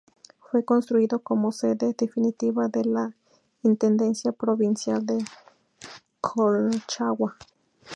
Fue construido como sede definitiva de la Intendencia Provincial de Colchagua.